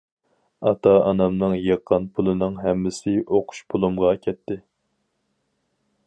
ئاتا- ئانامنىڭ يىغقان پۇلىنىڭ ھەممىسى ئوقۇش پۇلۇمغا كەتتى.